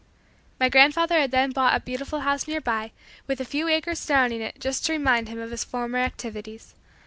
My grandfather had then bought a beautiful house nearby, with a few acres surrounding it just to remind him of his former activities.